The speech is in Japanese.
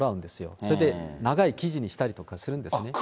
それで長い記事にしたりとかするんですね。